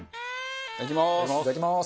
いただきます。